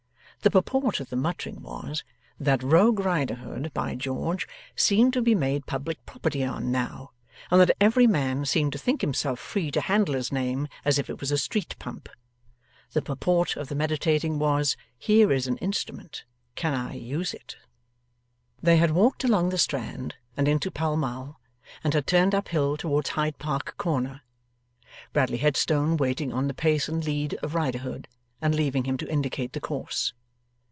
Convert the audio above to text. The purport of the muttering was: 'that Rogue Riderhood, by George! seemed to be made public property on, now, and that every man seemed to think himself free to handle his name as if it was a Street Pump.' The purport of the meditating was: 'Here is an instrument. Can I use it?' They had walked along the Strand, and into Pall Mall, and had turned up hill towards Hyde Park Corner; Bradley Headstone waiting on the pace and lead of Riderhood, and leaving him to indicate the course.